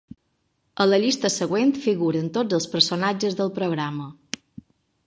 A la llista següent figuren tots els personatges del programa.